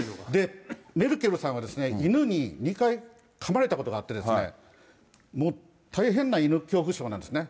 メルケルさんは犬に２回かまれたことがあって、大変な犬恐怖症なんですね。